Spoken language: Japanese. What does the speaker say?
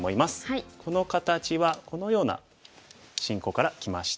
この形はこのような進行からきました。